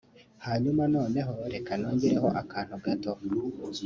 Hanyuma noneho reka nongereho akantu gato